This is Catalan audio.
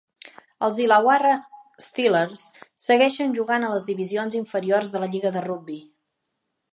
Els Illawarra Steelers segueixen jugant a les divisions inferiors de la lliga de rugbi.